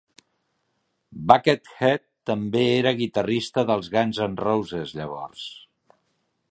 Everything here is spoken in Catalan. Buckethead també era guitarrista dels Guns N' Roses llavors.